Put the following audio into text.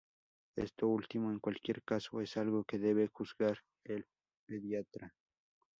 Esto último, en cualquier caso, es algo que debe juzgar el pediatra.